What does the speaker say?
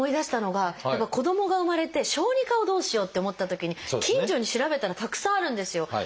子どもが生まれて小児科をどうしようって思ったときに近所に調べたらたくさんあるんですよ。